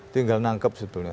tinggal nangkep sebelumnya